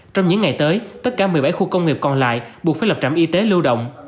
trong những ngày tới tất cả một mươi bảy khu công nghiệp còn lại buộc phải lập trạm y tế lưu động